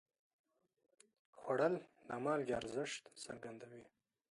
خوړل د مالګې ارزښت څرګندوي